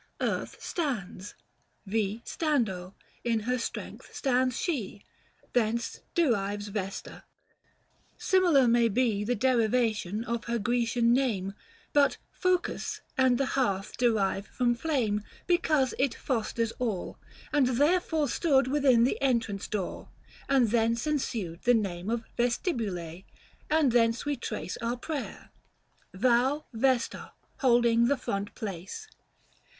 [355 Earth stands, " t Vi stando," in her strength, stands she ; Thence derives Yesta. Similar may be The derivation of her Grecian name ; But " Focus " and the hearth derive from flame, Because it " fosters " all, and therefore stood Within the entrance door ; and thence ensued 360 The name of Vestibule ; and thence we trace Our prayer, " Thou, Vesta, holding the front place."